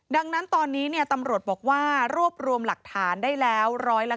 ดังนั้นตอนนี้ตำรวจบอกว่ารวบรวมหลักฐานได้แล้ว